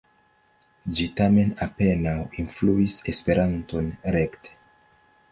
Ĝi tamen apenaŭ influis Esperanton rekte.